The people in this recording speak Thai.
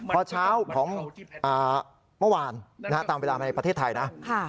พอเช้าของเมื่อวานตามเวลามาในประเทศไทยนะ